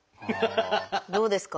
どうですか？